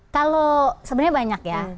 kalau sebenarnya banyak ya